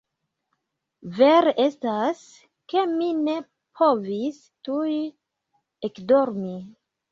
Vere estas, ke mi ne povis tuj ekdormi.